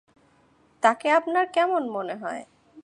তাকে আপনার কেমন মনে হয়?